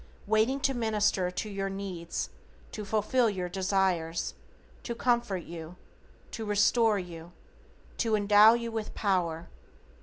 Waiting to minister to your needs, to fulfill your desires, to comfort you, to restore you, to endow you with power.